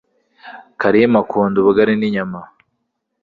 karimu akunda ubugari ninyama